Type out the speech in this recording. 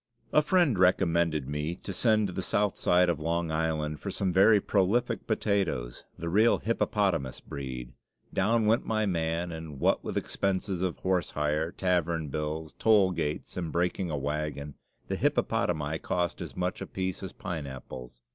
A friend recommended me to send to the south side of Long Island for some very prolific potatoes the real hippopotamus breed. Down went my man, and what, with expenses of horse hire, tavern bills, toll gates, and breaking a wagon, the hippopotami cost as much apiece as pineapples.